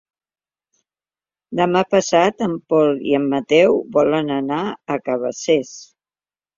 Demà passat en Pol i en Mateu volen anar a Cabacés.